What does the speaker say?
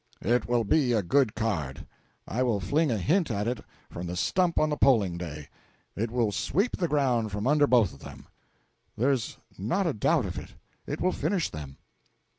"It will be a good card. I will fling a hint at it from the stump on the polling day. It will sweep the ground from under both of them." "There's not a doubt of it. It will finish them."